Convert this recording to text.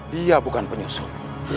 dia bukan penyusup